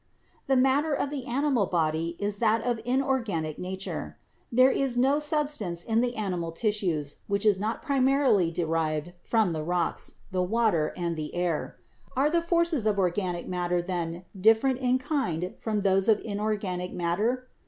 "The matter of the animal body is that of inorganic nature. There is no substance in the animal tissues which is not primarily derived from the rocks, the water and the air. Are the forces of organic matter, then, different in kind from those of inorganic matter?